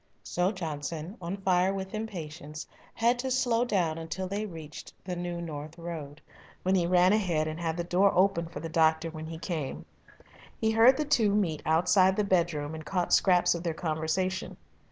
So Johnson, on fire with impatience, had to slow down until they reached the New North Road, when he ran ahead and had the door open for the doctor when he came. He heard the two meet outside the bed room, and caught scraps of their conversation.